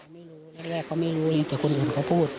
ไม่รู้แรกเขาไม่รู้ยังแต่คนอื่นเขาพูด